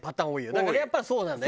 だからやっぱりそうなんだよね。